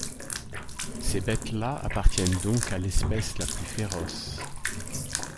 Ces bêtes-là appartiennent donc à l’espèce la plus féroce.